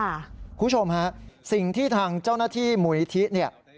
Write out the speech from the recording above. คุณผู้ชมฮะสิ่งที่ทางเจ้าหน้าที่มูลนิธิเนี่ย